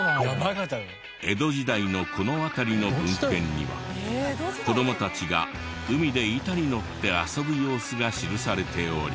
江戸時代のこの辺りの文献には子どもたちが海で板にのって遊ぶ様子が記されており。